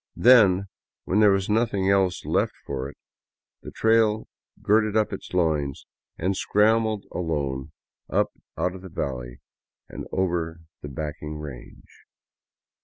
Then, when there was nothing else left for it, the trail girded up its loins and scrambled alone up out of the valley and over the backing range.